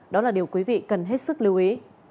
đó là điều quý vị cần hết sức lưu ý